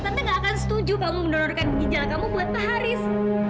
tante gak akan setuju kamu mendonorkan ginjal kamu buat pak haris